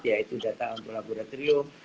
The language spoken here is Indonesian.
yaitu data untuk laboratorium